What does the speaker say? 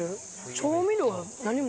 調味料は何も？